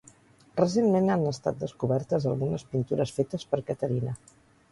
Recentment han estat descobertes algunes pintures fetes per Caterina.